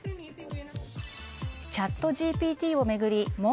チャットＧＰＴを巡り